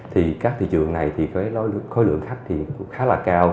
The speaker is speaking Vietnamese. thì các thị trường này thì khối lượng khách thì cũng khá là cao